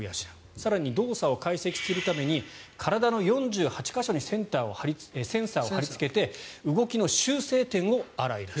更に、動作を解析するために体の４８か所にセンサーを貼りつけて動きの修正点を洗い出す。